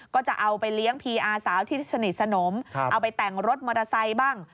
ก็จะเอาไปเลี้ยงพีอาสาวที่สนิทสนมเอาไปแต่งรถมอเตอร์ไซค์บ้าง